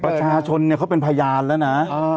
ประชาชนเนี่ยเขาเป็นพยานแล้วนะ